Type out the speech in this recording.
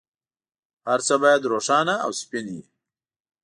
هر څه باید روښانه او سپین وي.